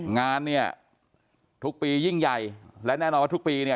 งานเนี่ยทุกปียิ่งใหญ่และแน่นอนว่าทุกปีเนี่ย